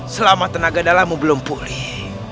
selama tenaga dalammu belum pulih